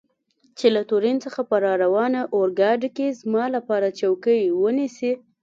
چې له تورین څخه په راروانه اورګاډي کې زما لپاره چوکۍ ونیسي.